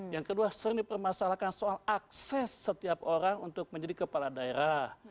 yang kedua sering dipermasalahkan soal akses setiap orang untuk menjadi kepala daerah